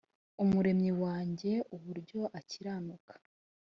umuremyi wanjye uburyo akiranuka